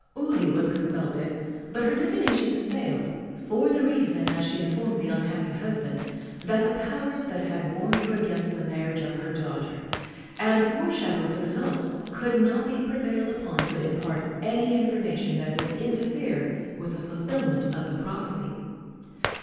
Uli was consulted, but her divinations failed, for the reason, as she informed the unhappy husband, that the powers that had warned her against the marriage of her daughter and foreshadowed the result could not be prevailed upon to impart any information that would interfere with the fulfilment of the prophecy.